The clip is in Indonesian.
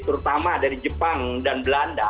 terutama dari jepang dan belanda